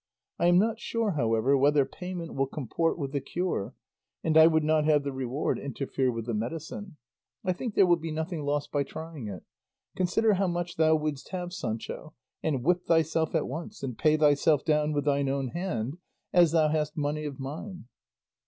I am not sure, however, whether payment will comport with the cure, and I would not have the reward interfere with the medicine. I think there will be nothing lost by trying it; consider how much thou wouldst have, Sancho, and whip thyself at once, and pay thyself down with thine own hand, as thou hast money of mine."